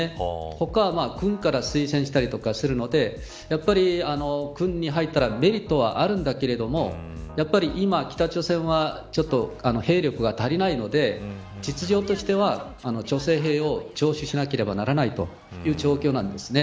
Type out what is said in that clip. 他は軍から推薦したりするのでやっぱり軍に入ったらメリットはあるんだけれど今、北朝鮮はちょっと兵力が足りないので実情としては女性兵を徴収しなければならないという状況なんです。